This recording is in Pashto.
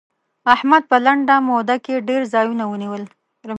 احمد په لنډه موده کې ډېر ځايونه ونيول.